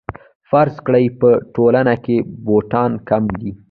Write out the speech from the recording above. فرض کړئ په ټولنه کې بوټان کم دي